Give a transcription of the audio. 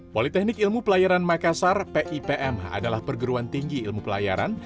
politeknik ilmu pelayaran makassar pipm adalah perguruan tinggi ilmu pelayaran